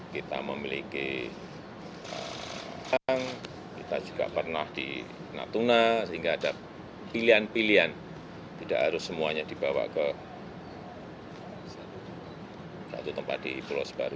kita memiliki bank kita juga pernah di natuna sehingga ada pilihan pilihan tidak harus semuanya dibawa ke satu tempat di pulau sebaru